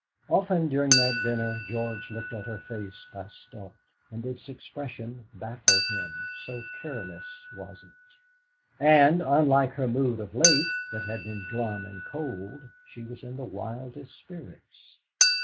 Often during that dinner George looked at her face by stealth, and its expression baffled him, so careless was it. And, unlike her mood of late, that had been glum and cold, she was in the wildest spirits.